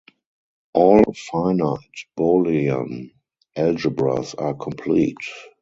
All finite Boolean algebras are complete.